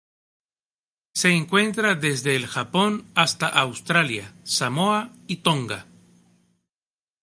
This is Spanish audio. Se encuentra desde el Japón hasta Australia, Samoa y Tonga.